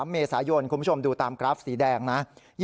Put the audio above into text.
เมษายนคุณผู้ชมดูตามกราฟสีแดงนะ